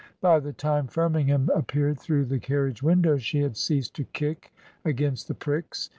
By the time Firmingham appeared through the carriage windows she had ceased to kick against the pricks.